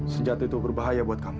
senjata itu berbahaya buat kamu